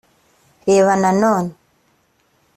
reba nanone